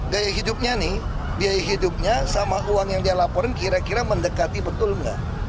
gaya hidupnya nih biaya hidupnya sama uang yang dia laporin kira kira mendekati betul nggak